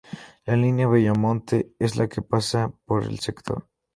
La línea Bello Monte es la que pasa por el sector.